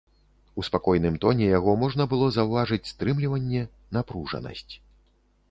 У спакойным тоне яго можна было заўважыць стрымліванне, напружанасць.